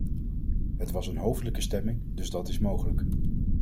Het was een hoofdelijke stemming, dus dat is mogelijk.